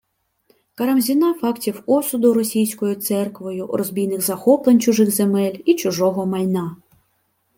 Карамзіна фактів осуду російською церквою розбійних захоплень чужих земель і чужого майна